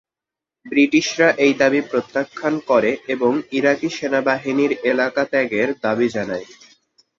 ব্রিটিশরা এই দাবি প্রত্যাখ্যান করে এবং ইরাকি সেনাবাহিনীর এলাকা ত্যাগের দাবি জানায়।